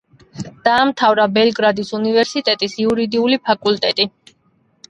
დაამთავრა ბელგრადის უნივერსიტეტის იურიდიული ფაკულტეტი.